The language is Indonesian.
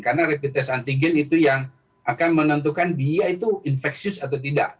karena rapid test antigen itu yang akan menentukan dia itu infeksius atau tidak